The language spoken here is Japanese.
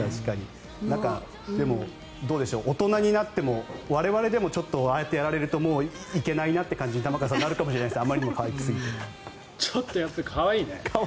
なんかどうでしょう大人になっても我々でもああやってやられるともう行けないなって感じになるかもしれないですね